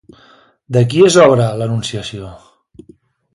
De qui és obra l'Anunciació?